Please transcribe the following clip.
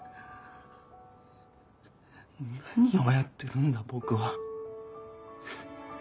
何をやってるんだ僕は。